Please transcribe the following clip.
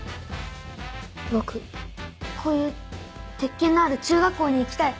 僕こういう鉄研のある中学校に行きたい。